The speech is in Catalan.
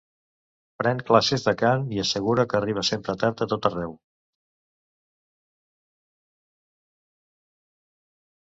Pren classes de cant, i assegura que arriba sempre tard a tot arreu.